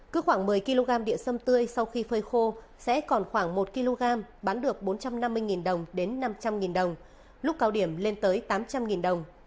cứ khoảng một mươi kg địa sâm tươi sau khi phơi khô sẽ còn khoảng một kg bán được bốn trăm năm mươi đồng đến năm trăm linh đồng lúc cao điểm lên tới tám trăm linh đồng